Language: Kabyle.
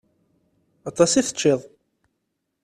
Aṭas i teččiḍ.